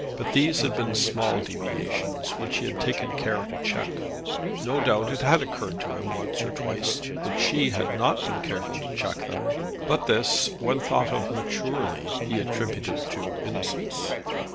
But these had been small deviations, which he had taken care to check. No doubt it had occurred to him, once or twice, that she had not been careful to check them. But this, when he thought of it maturely, he attributed to innocence.